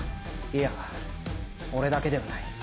いや俺だけではない。